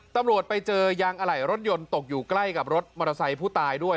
ตำรวจไปเจอยางอะไหล่รถยนต์ตกอยู่ใกล้กับรถมอเตอร์ไซค์ผู้ตายด้วย